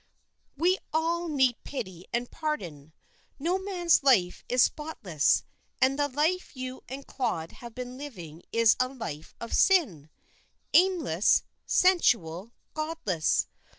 "We all need pity and pardon. No man's life is spotless, and the life you and Claude have been living is a life of sin aimless, sensual, godless.